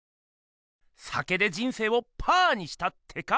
酒で人生をパーにしたってか？